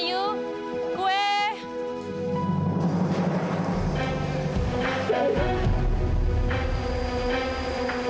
jangan sampai horseshop